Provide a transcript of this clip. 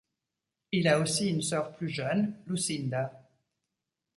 Il a aussi une sœur plus jeune, Lucinda.